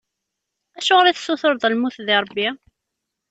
Acuɣer i tessutureḍ lmut di Rebbi?